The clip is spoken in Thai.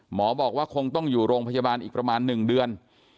หมอบอกว่าคงต้องอยู่โรงพยาบาลอีกประมาณ๑เดือน